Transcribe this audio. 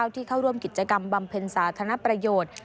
ที่เข้าร่วมกิจกรรมบำเพ็ญสาธารณประโยชน์